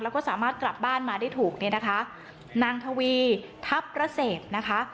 แล้วก็สามารถกลับบ้านมาได้ถูกเนี่ยนะคะนางทวีทัพระเศษนะคะ